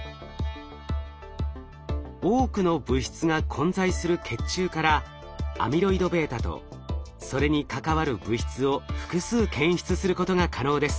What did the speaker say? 多くの物質が混在する血中からアミロイドβとそれに関わる物質を複数検出することが可能です。